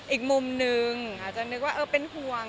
อีกมุมหนึ่งอาจจะนึกว่าเป็นห่วง